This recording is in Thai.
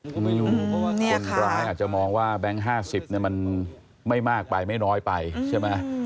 ก็ไม่รู้คนร้ายอาจจะมองว่าแบงค์๕๐มันไม่มากไปไม่น้อยไปใช่ไหม